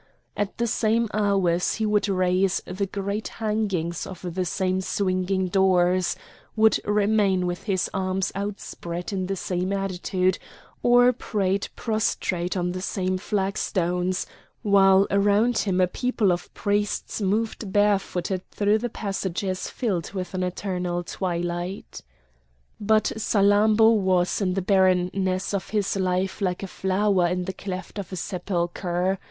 At the same hours he would raise the great hangings of the same swinging doors; would remain with his arms outspread in the same attitude; or prayed prostrate on the same flag stones, while around him a people of priests moved barefooted through the passages filled with an eternal twilight. But Salammbô was in the barrenness of his life like a flower in the cleft of a sepulchre.